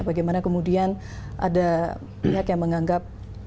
bagaimana kemudian ada pihak yang menganggap